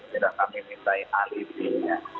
sudah kami minta alihinya